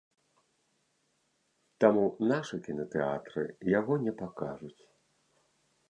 Таму нашы кінатэатры яго не пакажуць.